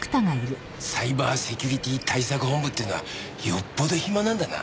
サイバーセキュリティー対策本部っていうのはよっぽどヒマなんだな。